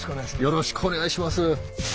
よろしくお願いします。